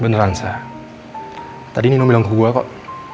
beneran sa tadi nino bilang ke gue kok